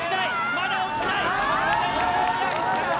まだ落ちない！